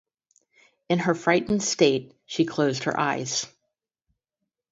In her frightened state, she closed her eyes.